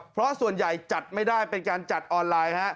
เพราะส่วนใหญ่จัดไม่ได้เป็นการจัดออนไลน์